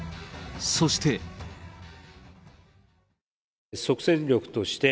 そして。